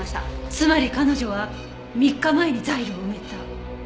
つまり彼女は３日前にザイルを埋めた。